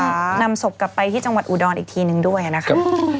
นี้ก็ต้องนำศพกับไปที่จังหวัดอุดรอีกทีนึงด้วยนะคะ